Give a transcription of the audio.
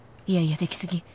いやいやでき過ぎ